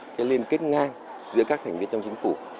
cái liên kết ngang giữa các thành viên trong chính phủ